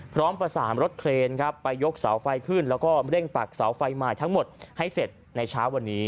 พร้อมประสานรถเครนครับไปยกเสาไฟขึ้นแล้วก็เร่งปักเสาไฟใหม่ทั้งหมดให้เสร็จในเช้าวันนี้